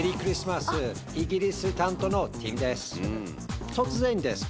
イギリス担当のティムです。